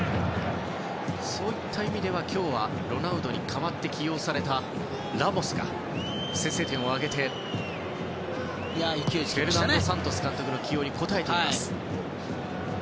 そういった意味では今日はロナウドに代わって起用されたラモスが先制点を挙げてフェルナンド・サントス監督の起用に応えています。